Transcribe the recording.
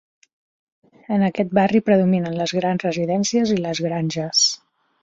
En aquest barri predominen les grans residències i les granges.